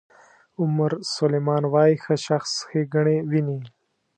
عمر سلیمان وایي ښه شخص ښېګڼې ویني.